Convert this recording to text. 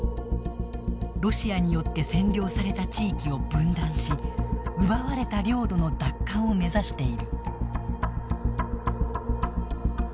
ロシアによって占領された地域を分断し奪われた領土の奪還を目指している。